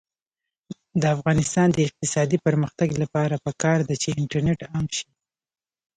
د افغانستان د اقتصادي پرمختګ لپاره پکار ده چې انټرنیټ عام شي.